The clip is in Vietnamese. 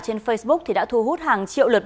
trên facebook thì đã thu hút hàng triệu lượt